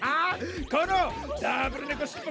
このダブルねこしっぽ